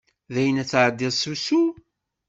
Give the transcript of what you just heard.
Dayen ad tεeddiḍ s usu?